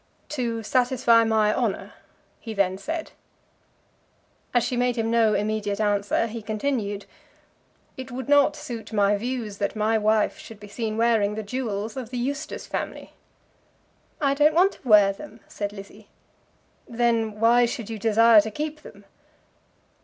"To satisfy my honour," he then said. As she made him no immediate answer, he continued, "It would not suit my views that my wife should be seen wearing the jewels of the Eustace family." "I don't want to wear them," said Lizzie. "Then why should you desire to keep them?"